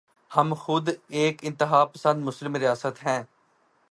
ہم خود ایک انتہا پسند مسلم ریاست ہیں۔